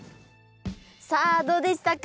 さあどうでしたか？